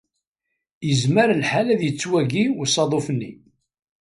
Yezmer lḥal ad yettwagi usaḍuf-nni.